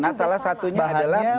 nah salah satunya adalah